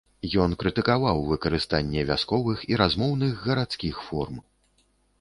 Ён крытыкаваў выкарыстанне вясковых і размоўных гарадскіх форм.